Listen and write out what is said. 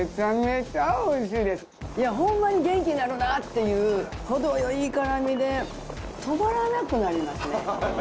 ホンマに元気になるなぁっていう程よい辛みで止まらなくなりますね。